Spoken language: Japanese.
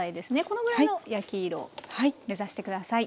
このぐらいの焼き色目指して下さい。